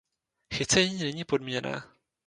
Chycení není podmíněné.